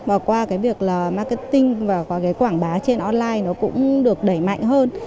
và qua việc marketing và quảng bá trên online cũng được đẩy mạnh hơn